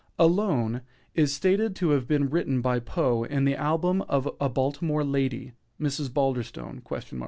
"Alone" is stated to have been written by Poe in the album of a Baltimore lady (Mrs. Balderstone?)